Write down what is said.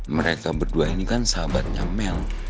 mereka berdua ini kan sahabatnya mel